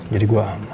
jadi gua aman